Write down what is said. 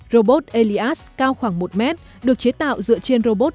robot elias cao khoảng một mét được chế tạo dựa trên robot